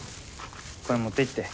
これ持っていって。